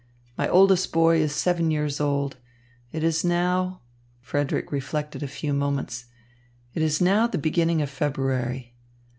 My oldest boy is seven years old. It is now" Frederick reflected a few moments "it is now the beginning of February.